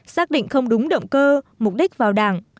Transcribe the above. xác định không đúng động cơ mục đích vào đảng